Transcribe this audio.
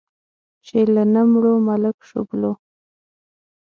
چې له نه مړو، ملک شوبلو.